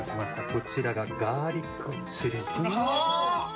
こちらがガーリックシュリンプです。